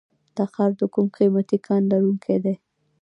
تخار د کوم قیمتي کان لرونکی دی؟